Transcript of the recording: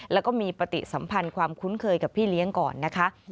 แล้วก็มีปฏิสัมพันธ์ความคุ้นเคยกับพี่เลี้ยงก่อนนะคะ